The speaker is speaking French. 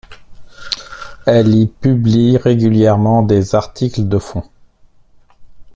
Elle y publie régulièrement des articles de fond.